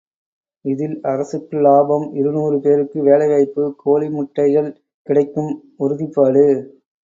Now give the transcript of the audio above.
இதில் அரசுக்கு இலாபம், இருநூறு பேருக்கு வேலைவாய்ப்பு, கோழி முட்டைகள் கிடைக்கும் உறுதிப்பாடு.